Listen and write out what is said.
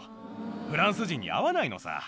フランス人に合わないのさ。